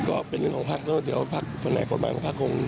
ก็เป็นเรื่องของภักดิ์เสี่ยงภาคนาคกดมาเป็นทั้งห้อง